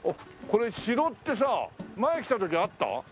これ城ってさ前来た時あった？